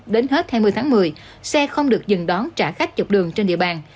đến hết hai mươi tháng một mươi xe không được dừng đón trả khách chụp đường trên địa bàn